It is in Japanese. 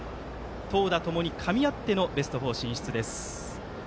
投打ともにかみ合ってのベスト４進出です。